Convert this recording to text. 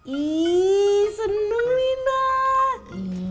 ih seneng minah